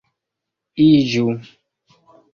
iĝu